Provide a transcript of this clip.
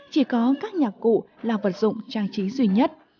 chỉ có các nhạc cụ là vật dụng trang trí duy nhất